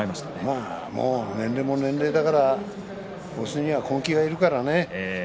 年齢が年齢だから押すには根気がいるからね。